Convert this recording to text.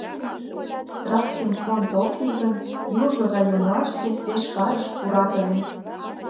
Страхсемфонд ок лий гын, южо районлаште пеш карыш пурат ыле.